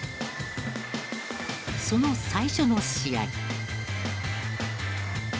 その最初の試合。